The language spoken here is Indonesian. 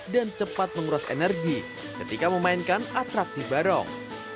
dan cepat mengurus energi ketika memainkan atraksi barong